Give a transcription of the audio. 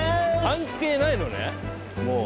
関係ないのねもう。